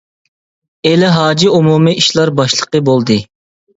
ئېلى ھاجى ئومۇمىي ئىشلار باشلىقى بولدى.